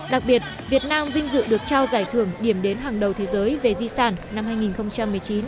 đặc biệt việt nam vinh dự được trao giải thưởng điểm đến hàng đầu thế giới về di sản năm hai nghìn một mươi chín